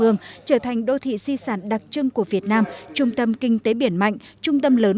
đường trở thành đô thị si sản đặc trưng của việt nam trung tâm kinh tế biển mạnh trung tâm lớn